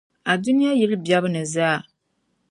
a dunia yili bebu ni zaa.